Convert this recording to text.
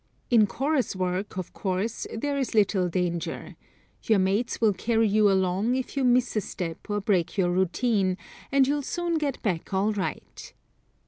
In chorus work, of course, there is little danger. Your mates will carry you along if you miss a step or break your routine, and you'll soon get back all right.